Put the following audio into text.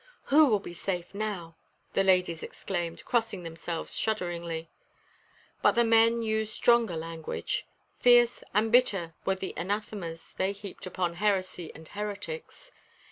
Who will be safe now?" the ladies exclaimed, crossing themselves shudderingly. But the men used stronger language. Fierce and bitter were the anathemas they heaped upon heresy and heretics.